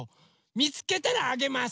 みつけたらあげます！